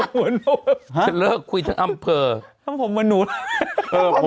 ห่วงเหมือนมาง